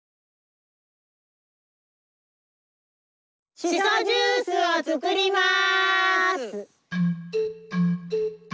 しそジュースを作ります。